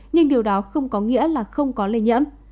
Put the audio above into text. nhưng điều đó không có nghĩa là không có lây nhiễm